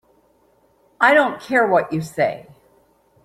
I don't care what you say.